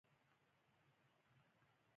داسې کار کوئ چې خلک د ارزښت او اهمیت احساس وکړي.